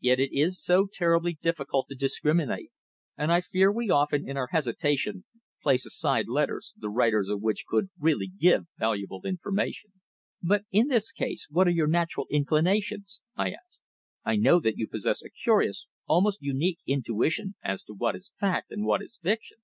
"Yet it is so terribly difficult to discriminate, and I fear we often, in our hesitation, place aside letters, the writers of which could really give valuable information." "But in this case, what are your natural inclinations?" I asked. "I know that you possess a curious, almost unique, intuition as to what is fact and what is fiction.